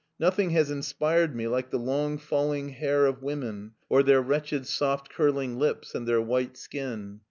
Nothing has inspired me like the long falling hair of women or their wretched soft curving lips and their white skin.